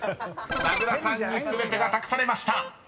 ［名倉さんに全てが託されました］